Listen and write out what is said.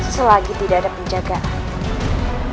selagi tidak ada penjagaan